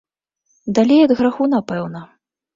Далей ад граху, напэўна.